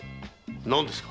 何ですか？